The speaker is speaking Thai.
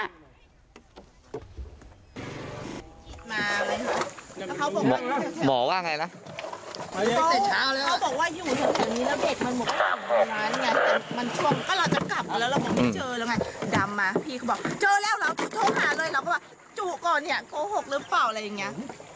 แล้วเราโทรหาเลยเราก็บอกจุก่อนเนี่ยโคหกหรือเปล่าอะไรอย่างเงี้ย